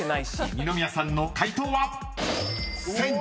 ［二宮さんの解答は？］